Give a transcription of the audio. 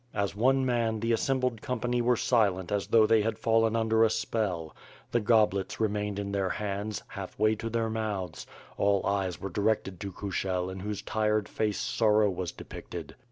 As one man the assembled company were silent as though they had fallen under a spell. The goblets remained in their hands, half way to their mouths, all eyes were directed to Kushel in whose tired face sorrow was depicted.